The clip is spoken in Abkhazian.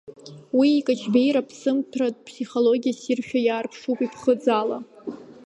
Уи икаҷбеира-ԥсымҭәратә ԥсихологиа ссиршәа иаарԥшуп иԥхыӡ ала.